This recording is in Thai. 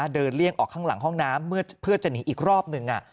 เลี่ยงออกข้างหลังห้องน้ำเพื่อจะหนีอีกรอบหนึ่ง